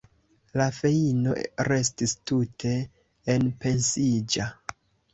La feino restis tute enpensiĝa.